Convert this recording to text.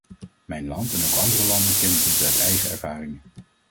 Mijn land en ook andere landen kennen dit uit eigen ervaring.